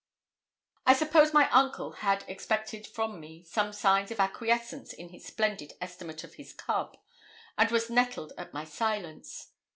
I suppose my uncle had expected from me some signs of acquiesence in his splendid estimate of his cub, and was nettled at my silence.